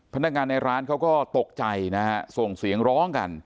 พนักงานในร้านเขาก็ตกใจนะฮะส่งเสียงร้องกัน